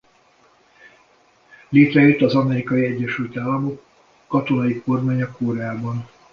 Létrejött az Amerikai Egyesült Államok Katonai Kormánya Koreában.